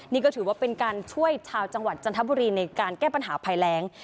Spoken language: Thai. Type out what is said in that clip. นี่ก็ถือว่าเป็นการช่วยชาวจังหวัดจันทบุรีในการแก้ปัญหาภัยแรง